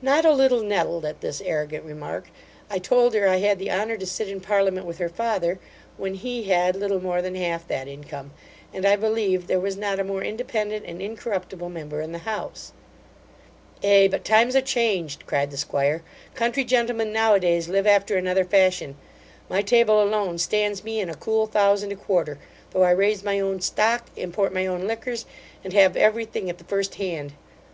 Not a little nettled at this arrogant remark, I told her, I had the honour to sit in parliament with her father, when he had little more than half that income; and I believed there was not a more independent and incorruptible member in the house. 'Ay; but times are changed (cried the 'squire) Country gentlemen now a days live after another fashion. My table alone stands me in a cool thousand a quarter, though I raise my own stock, import my own liquors, and have every thing at the first hand.